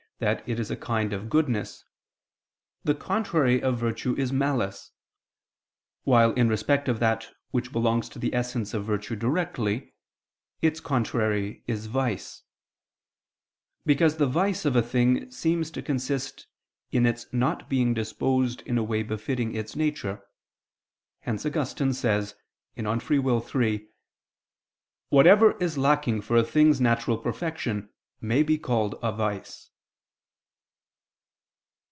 that it is a kind of goodness, the contrary of virtue is malice: while in respect of that which belongs to the essence of virtue directly, its contrary is vice: because the vice of a thing seems to consist in its not being disposed in a way befitting its nature: hence Augustine says (De Lib. Arb. iii): "Whatever is lacking for a thing's natural perfection may be called a vice."